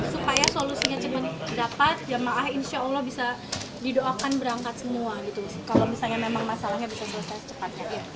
supaya solusinya cepat dapat jamaah insya allah bisa didoakan berangkat semua gitu kalau misalnya memang masalahnya bisa selesai secepatnya